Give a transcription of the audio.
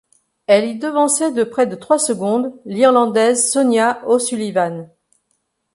Elle y devançait de près de trois secondes l'Irlandaise Sonia O'Sullivan.